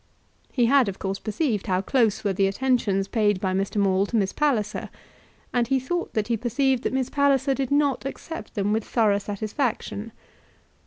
He had, of course, perceived how close were the attentions paid by Mr. Maule to Miss Palliser, and he thought that he perceived that Miss Palliser did not accept them with thorough satisfaction.